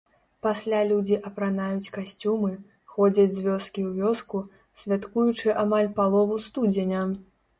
Пасля людзі апранаюць касцюмы, ходзяць з вёскі ў вёску, святкуючы амаль палову студзеня!